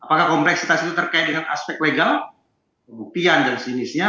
apakah kompleksitas itu terkait dengan aspek legal pembuktian dan sinisnya